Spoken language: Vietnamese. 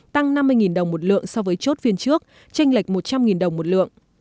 tăng năm mươi đồng một lượng so với chốt phiên trước tranh lệch một trăm linh đồng một lượng